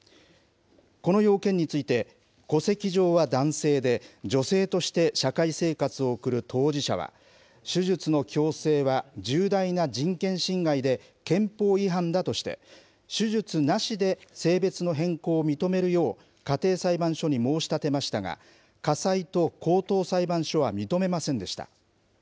この要件について、戸籍上は男性で、女性として社会生活を送る当事者は、手術の強制は重大な人権侵害で、憲法違反だとして、手術なしで性別の変更を認めるよう家庭裁判所に申し立てましたが、家裁と高等裁判所は認めませんでした。